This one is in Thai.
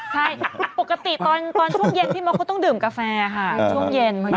ใช่ปกติก่อนช่วงเย็นพี่ม๊อคเขาต้องดื่มกาแฟค่ะ